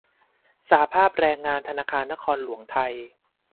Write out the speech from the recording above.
สหภาพแรงงานธนาคารนครหลวงไทย